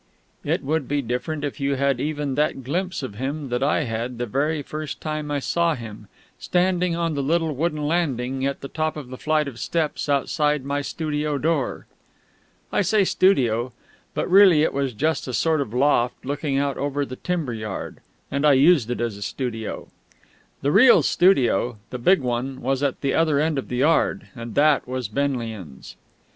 It would be different if you had had even that glimpse of him that I had the very first time I saw him, standing on the little wooden landing at the top of the flight of steps outside my studio door. I say "studio"; but really it was just a sort of loft looking out over the timber yard, and I used it as a studio. The real studio, the big one, was at the other end of the yard, and that was Benlian's.